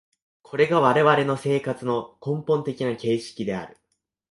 これが我々の生活の根本的な形式である。